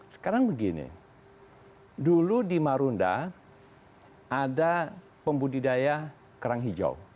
sekarang begini dulu di marunda ada pembudidaya kerang hijau